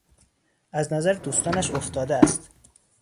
از نظر دوستانش افتاده است.